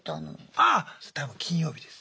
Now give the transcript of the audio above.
あ多分金曜日です。